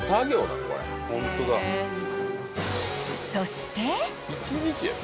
［そして］